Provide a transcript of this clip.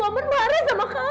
mama juga kangen sama kamu